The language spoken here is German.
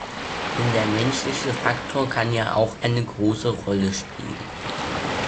Denn der menschliche Faktor kann ja auch eine große Rolle spielen.